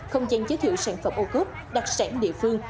không gian giới thiệu sản phẩm ô cốt đặc sản địa phương